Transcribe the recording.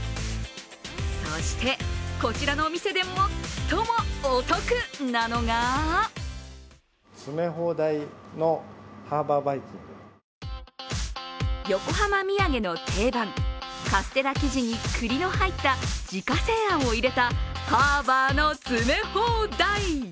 そして、こちらのお店で最もお得なのが横浜土産の定番、カステラ生地にくりの入った自家製あんを入れたハーバーの詰め放題。